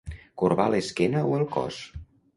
Corbar l'esquena o el cos.